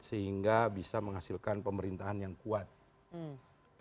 sehingga bisa menghasilkan pemerintahan yang kuat